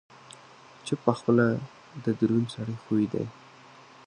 چپه خوله، د دروند سړي خوی دی.